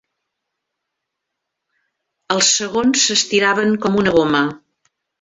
Els segons s'estiraven com una goma.